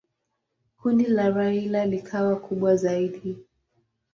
Kundi la Raila likawa kubwa zaidi.